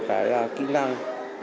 cái kỹ năng